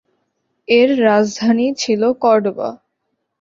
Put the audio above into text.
এর রাজধানী ছিল কর্ডোবা।